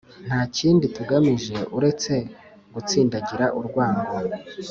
nta kindi tugamije uretse gutsindagira urwango